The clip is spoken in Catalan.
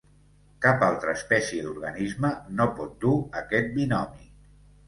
Cap altra espècie d'organisme no pot dur aquest binomi.